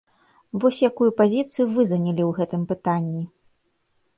Вось якую пазіцыю вы занялі ў гэтым пытанні?